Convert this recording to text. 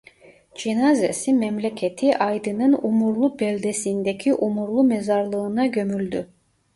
Cenazesi memleketi Aydın'ın Umurlu beldesindeki Umurlu Mezarlığı'na gömüldü.